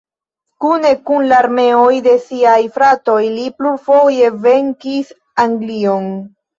Kune kun la armeoj de siaj fratoj, li plurfoje venkis Anglion.